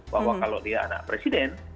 bahwa kalau dia anak presiden